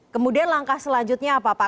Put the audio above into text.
kemudian langkah selanjutnya apa pak